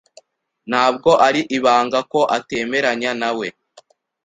Ntabwo ari ibanga ko atemeranya nawe.